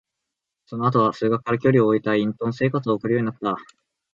その後は、数学から距離を置いた隠遁生活を送るようになった。